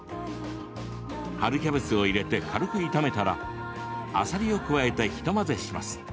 春キャベツを入れて軽く炒めたらあさりを加えて一混ぜします。